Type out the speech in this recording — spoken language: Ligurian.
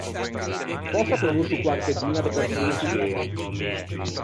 Fòscia conoscio quarcheduña de persoñe chi gh’ea.